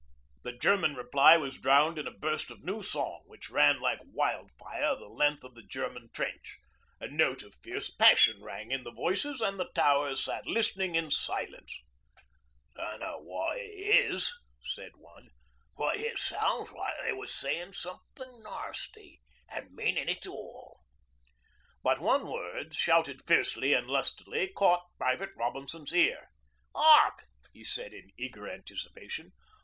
The German reply was drowned in a burst of new song which ran like wild fire the length of the German trench. A note of fierce passion rang in the voices, and the Towers sat listening in silence. 'Dunno wot it is,' said one. 'But it sounds like they was sayin' something nasty, an' meanin' it all.' But one word, shouted fiercely and lustily, caught Private Robinson's ear. ''Ark!' he said in eager anticipation.